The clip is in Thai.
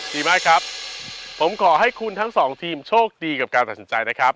ดีมากครับผมขอให้คุณทั้งสองทีมโชคดีกับการตัดสินใจนะครับ